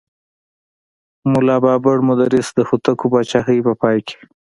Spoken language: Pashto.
ملا بابړ مدرس د هوتکو پاچاهۍ په پای کې.